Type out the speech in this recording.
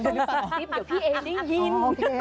เดี๋ยวพี่เอ๊ได้ยิน